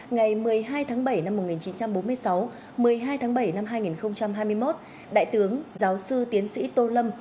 ngày một mươi hai tháng bảy năm một nghìn chín trăm bốn mươi sáu một mươi hai tháng bảy năm hai nghìn hai mươi một đại tướng giáo sư tiến sĩ tô lâm